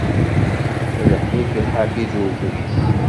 Lḥiɣ i ḥafi d ugris.